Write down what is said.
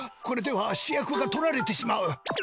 これでは主役が取られてしまう！